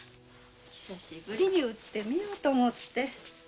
久しぶりに打ってみようと思って。